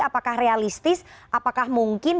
apakah realistis apakah mungkin